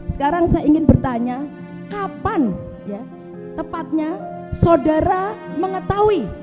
sekarang saya ingin bertanya kapan ya tepatnya saudara mengetahui